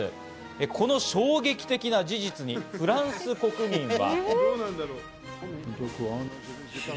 この衝撃的な事実にフランス国民は。